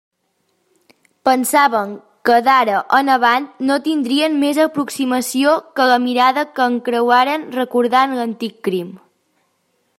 Pensaven que d'ara en avant no tindrien més aproximació que la mirada que encreuaren recordant l'antic crim.